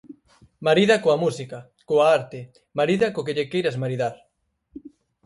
Marida coa música, coa arte, marida co que lle queiras maridar.